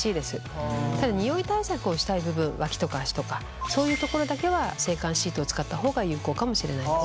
ただニオイ対策をしたい部分脇とか足とかそういうところだけは制汗シートを使った方が有効かもしれないです。